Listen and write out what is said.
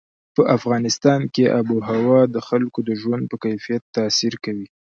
په افغانستان کې آب وهوا د خلکو د ژوند په کیفیت تاثیر کوي.